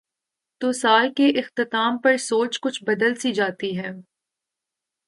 تو سال کے اختتام پر سوچ کچھ بدل سی جاتی ہے۔